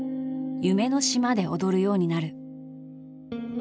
「夢の島」で踊るようになる。